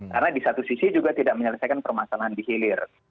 karena di satu sisi juga tidak menyelesaikan permasalahan di hilir